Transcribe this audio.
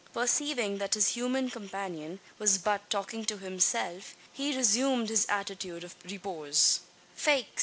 Perceiving that his human companion was but talking to himself, he resumed his attitude of repose. "Faix!